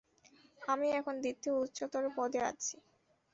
আমি এখন দ্বিতীয় উচ্চতর পদে আছি!